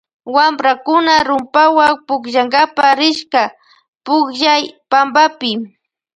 Wamprakuna rumpawan pukllnakapa rishka pukllaypampapi.